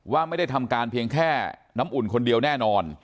ว่าไม่ได้ทำการเพียงแค่น้ำอุ่นคนเดียวแน่นอน